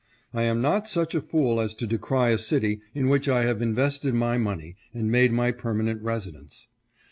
I am not such a fool as to decry a city in which I have invested my money and made my permanent residence.